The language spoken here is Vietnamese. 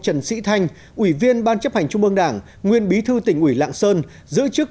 trần sĩ thanh ủy viên ban chấp hành trung mương đảng nguyên bí thư tỉnh ủy lạng sơn giữ chức